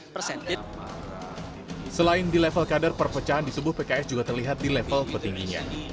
selain di level kader perpecahan di tubuh pks juga terlihat di level petingginya